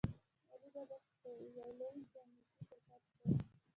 علي بابا یو لوی انټرنیټي شرکت دی.